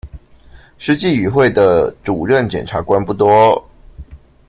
實際與會的主任檢察官不多